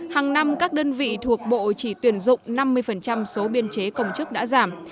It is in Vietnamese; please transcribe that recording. hàng năm các đơn vị thuộc bộ chỉ tuyển dụng năm mươi số biên chế công chức đã giảm